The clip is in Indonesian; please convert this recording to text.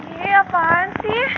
ih apaan sih